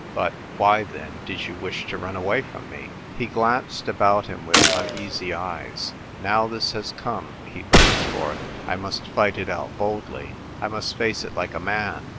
But — why then did you wish to run away from me ?" He glanced about him with uneasy eyes. "Now this has come," he burst forth, "I must fight it out boldly. I must face it like a man.